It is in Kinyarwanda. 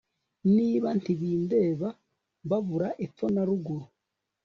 niba ntibindeba, babura epfo na ruguru